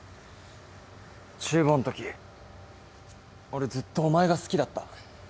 中坊んとき俺ずっとお前が好きだった。